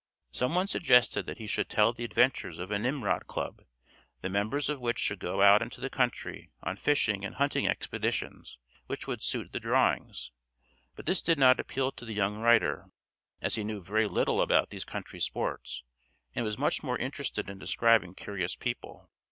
Some one suggested that he should tell the adventures of a Nimrod Club, the members of which should go out into the country on fishing and hunting expeditions which would suit the drawings, but this did not appeal to the young writer, as he knew very little about these country sports, and was much more interested in describing curious people.